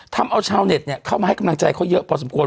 ทำเอาชาวเน็ตเข้ามาให้กำลังใจเขาเยอะพอสมควร